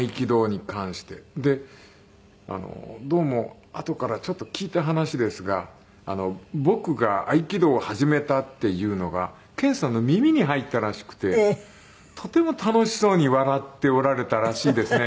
でどうもあとから聞いた話ですが僕が合気道を始めたっていうのが健さんの耳に入ったらしくてとても楽しそうに笑っておられたらしいですね。